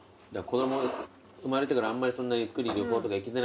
子供生まれてからあんまりそんなゆっくり旅行とか行けてないでしょ？